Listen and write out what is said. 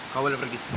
kau boleh pergi